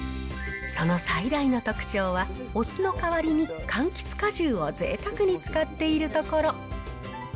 その最大の特徴はお酢の代わりにかんきつ果汁をぜいたくに使っているところ。